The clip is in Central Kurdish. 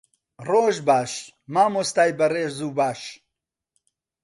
ڕۆژ باش، مامۆستای بەڕێز و باش.